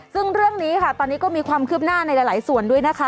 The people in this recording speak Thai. ซึ่งเรื่องนี้ค่ะตอนนี้ก็มีความคืบหน้าในหลายส่วนด้วยนะคะ